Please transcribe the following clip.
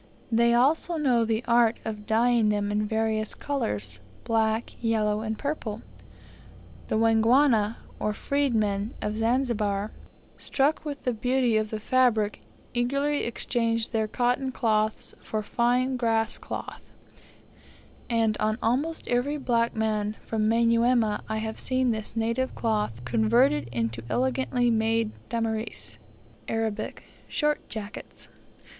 They also know the art of dyeing them in various colours black, yellow, and purple. The Wangwana, or freed men of Zanzibar, struck with the beauty of the fabric, eagerly exchange their cotton cloths for fine grass cloth; and on almost every black man from Manyuema I have seen this native cloth converted into elegantly made damirs (Arabic) short jackets.